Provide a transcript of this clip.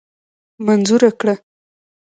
منظوره کړه.